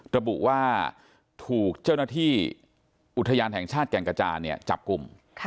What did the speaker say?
ระบุว่าถูกเจ้าหน้าที่อุทยานแห่งชาติแก่งกระจานเนี่ยจับกลุ่ม